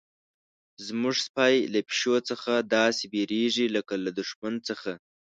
زموږ سپی له پیشو څخه داسې بیریږي لکه له دښمن څخه.